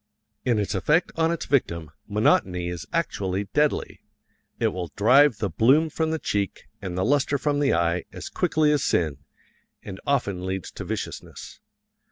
In its effect on its victim, monotony is actually deadly it will drive the bloom from the cheek and the lustre from the eye as quickly as sin, and often leads to viciousness.